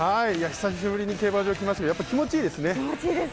久しぶりに競馬場に来ましたけど、やっぱ気持ちいいですね。